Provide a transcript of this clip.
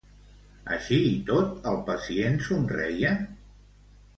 Així i tot, el pacient somreia?